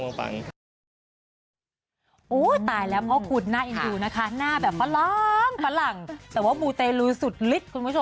โอ้โหตายแล้วพ่อคุณน่าเอ็นดูนะคะหน้าแบบฝรั่งฝรั่งแต่ว่ามูเตลูสุดฤทธิ์คุณผู้ชม